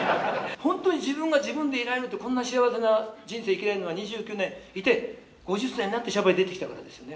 自分が自分でいられるってこんな幸せな人生生きられるのは２９年いて５０歳になって娑婆へ出てきたからですよね。